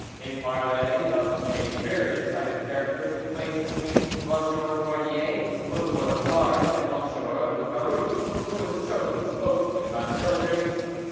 A parley of a very excited character took place between M. Fournier for the royal guards and M. Boucarut, who was chosen spokesman by the villagers.